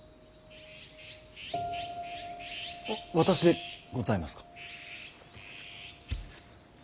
私でございますか。